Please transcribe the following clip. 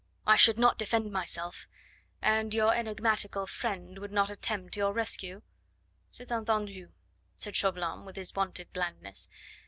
I should not defend myself " "And your enigmatical friend would not attempt your rescue. C'est entendu," said Chauvelin with his wonted blandness.